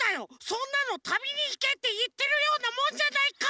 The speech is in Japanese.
そんなの「旅にいけ」っていってるようなもんじゃないか！